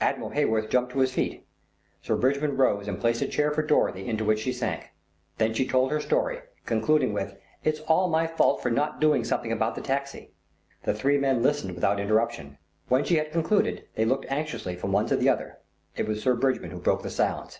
Admiral Heyworth jumped to his feet. Sir Bridgman rose and placed a chair for Dorothy into which she sank. Then she told her story, concluding with "It's all my fault for not doing something about the taxi." The three men listened without interruption. When she had concluded they looked anxiously from one to the other. It was Sir Bridgman who broke the silence.